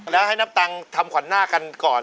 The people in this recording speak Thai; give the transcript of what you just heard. แล้วให้น้ำตังค์ทำขวัญหน้ากันก่อน